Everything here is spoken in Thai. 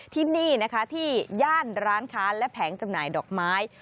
ที่นี่นะคะที่ย่านร้านค้าและแผงจำหน่ายดอกไม้